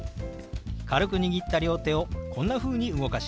軽く握った両手をこんなふうに動かします。